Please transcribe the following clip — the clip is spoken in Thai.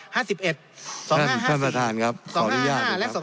ห้าสิบเอ็ดสองพันสามครับสองร้านและสอง